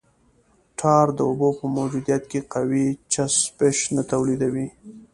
ټار د اوبو په موجودیت کې قوي چسپش نه تولیدوي